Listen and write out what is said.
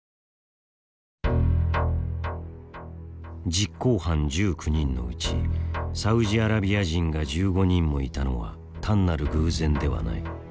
実行犯１９人のうちサウジアラビア人が１５人もいたのは単なる偶然ではない。